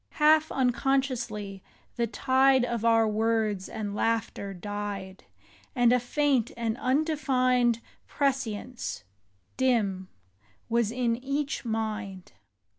Half unconsciously, the tide Of our words and laughter died ; And a faint and undefined Prescience, dim, was in each mind.